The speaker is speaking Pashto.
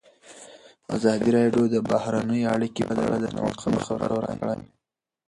ازادي راډیو د بهرنۍ اړیکې په اړه د نوښتونو خبر ورکړی.